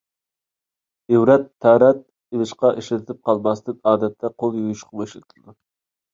ئىۋرىق تەرەت ئېلىشقا ئىشلىتىلىپ قالماستىن، ئادەتتە قول يۇيۇشقىمۇ ئىشلىتىلىدۇ.